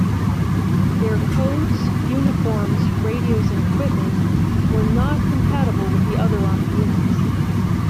Their codes, uniforms, radios and equipment were not compatible with other army units.